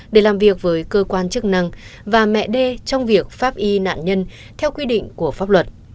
để làm việc với cơ quan chức năng và mẹ đê trong việc pháp y nạn nhân theo quy định của pháp luật